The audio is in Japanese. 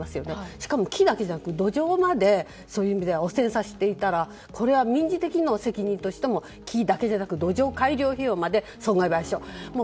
しかも木だけじゃなくて路上まで汚染させていたら民事的責任としても木だけじゃなく土壌改良費用まで損害賠償。